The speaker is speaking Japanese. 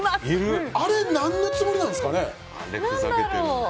あれ、何のつもりなんですかね。